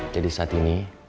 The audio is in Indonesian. jadi saat ini